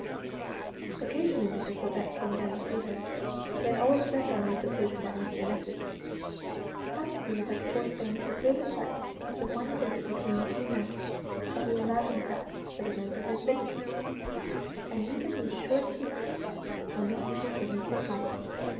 Occasionally Mr. Corbet came down to see her. He always slept on these occasions at Mr. Ness's; but he was at Ford Bank the greater part of the one day between two nights that he allowed himself for the length of his visits. And even these short peeps were not frequently taken.